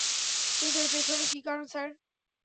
কিন্তু এর পিছনে কী কারণ স্যার?